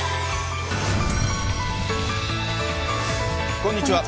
こんにちは。